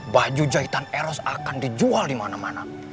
baju jahitan eros akan dijual dimana mana